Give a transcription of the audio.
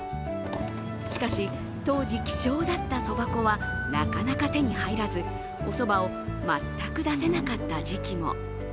しかし、当時希少だったそば粉はなかなか手に入らずおそばを全く出せなかった時期も。